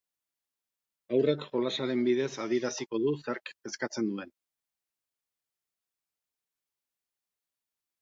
Haurrak jolasaren bidez adieraziko du zerk kezkatzen duen.